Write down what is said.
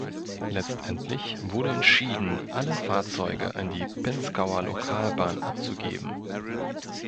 Letztendlich wurde entschieden, alle Fahrzeuge an die Pinzgauer Lokalbahn abzugeben.